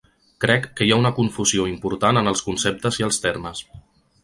Crec que hi ha una confusió important en els conceptes i els termes.